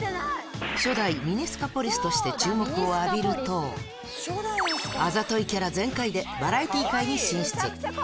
初代ミニスカポリスとして、注目を浴びると、あざといキャラ全開で、バラエティ界に進出。